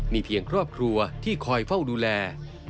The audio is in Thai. มีเพียงครอบครัวที่คอยเฝ้าดูแล